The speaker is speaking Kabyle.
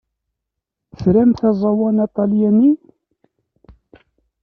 Tramt aẓawan aṭalyani?